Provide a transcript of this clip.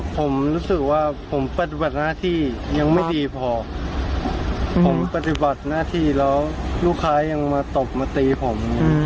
ผมรู้สึกว่าผมปฏิบัติหน้าที่ยังไม่ดีพอผมปฏิบัติหน้าที่แล้วลูกค้ายังมาตบมาตีผม